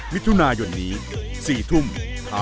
มึงทำมันพันเหรอวะ